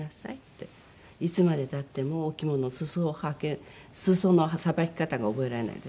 「いつまで経ってもお着物の裾を裾のさばき方が覚えられないでしょ」。